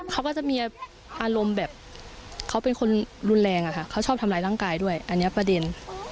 เขาก็จะมีอารมณ์แบบเขาเป็นคนรุนแรงอะค่ะเขาชอบทำร้ายร่างกายด้วยอันนี้ประเด็น